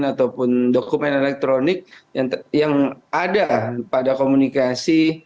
ataupun dokumen elektronik yang ada pada komunikasi